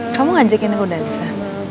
kamu ngajakin aku dansa